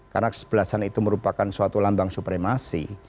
karena kesebelasan itu merupakan suatu lambang supremasi